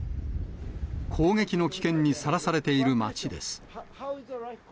攻撃の危険にさらされている町です。